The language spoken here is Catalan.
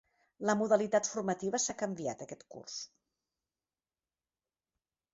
La modalitat formativa s'ha canviat aquest curs.